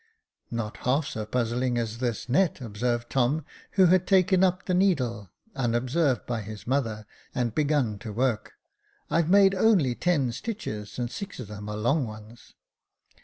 "Not half so puzzling as this net," observed Tom, who had taken up the needle, unobserved by his mother, and begun to work j " I've made only ten stitches, and six of them are long ones."